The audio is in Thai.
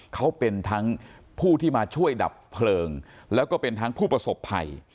เขาเป็นทั้งผู้ที่มาช่วยดับเพลิงแล้วก็เป็นทั้งผู้ประสบภัย